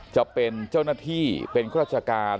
จะเป็นเจ้าหน้าที่เป็นข้าราชการ